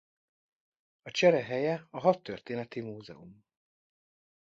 A csere helye a Hadtörténeti Múzeum.